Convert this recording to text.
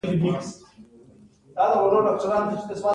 د ډیګرې لستوڼو چاپېره او ګرېوان رنګه او ګلدار وي.